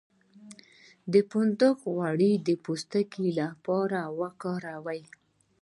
د فندق غوړي د پوستکي لپاره وکاروئ